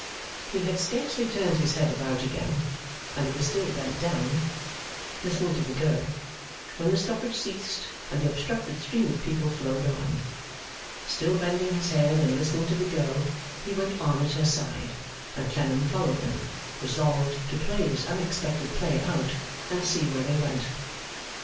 He had scarcely turned his head about again, and it was still bent down, listening to the girl, when the stoppage ceased, and the obstructed stream of people flowed on. Still bending his head and listening to the girl, he went on at her side, and Clennam followed them, resolved to play this unexpected play out, and see where they went.